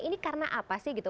ini karena apa sih gitu